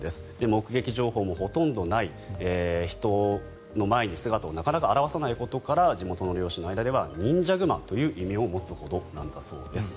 目撃情報もほとんどない人の前に姿をなかなか現さないことから地元の猟師の間では忍者熊という異名を持つほどだということです。